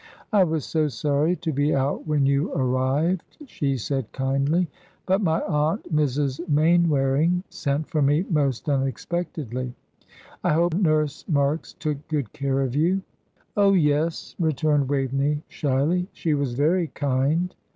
"I was so sorry to be out when you arrived," she said, kindly, "but my aunt, Mrs. Mainwaring, sent for me most unexpectedly. I hope Nurse Marks took good care of you." "Oh, yes," returned Waveney, shyly, "she was very kind."